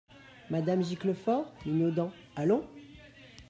Madame Giclefort, minaudant. — Allons !